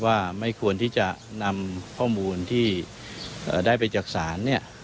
ว่าไม่ควรที่จะนำข้อมูลที่ได้ไปจากศาลเนี่ย